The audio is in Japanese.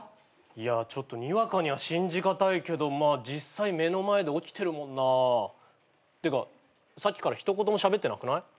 いやちょっとにわかには信じ難いけどまあ実際目の前で起きてるもんな。ってかさっきから一言もしゃべってなくない？